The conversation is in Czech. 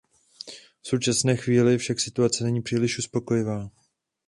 V současné chvíli však situace není příliš uspokojivá.